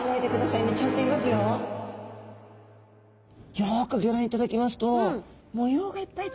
よくギョ覧いただきますと模様がいっぱいついてますよね。